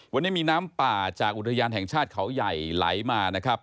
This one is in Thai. วันนี้มีน้ำป่าจากอุทยานแห่งชาติเขาใหญ่ไหลมานะครับ